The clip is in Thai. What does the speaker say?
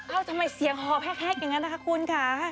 ทำไมเสียงห่อแฮกอย่างนั้นนะคะคุณค่ะ